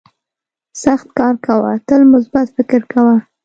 سخت کار کوه تل مثبت فکر کوه.